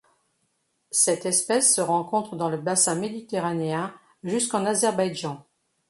Cette espèce se rencontre dans le bassin méditerranéen jusqu'en Azerbaïdjan.